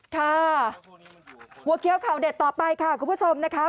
ค่ะหัวเขียวข่าวเด็ดต่อไปค่ะคุณผู้ชมนะคะ